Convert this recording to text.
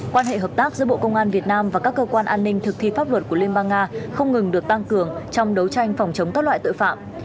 quan hệ hợp tác giữa bộ công an việt nam và các cơ quan an ninh thực thi pháp luật của liên bang nga không ngừng được tăng cường trong đấu tranh phòng chống các loại tội phạm